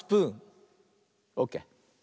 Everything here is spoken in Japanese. オーケー。